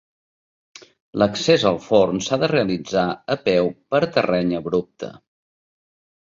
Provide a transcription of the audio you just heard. L'accés al forn s'ha de realitzar a peu per terreny abrupte.